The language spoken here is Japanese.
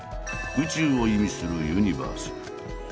「宇宙」を意味する「ユニバース」。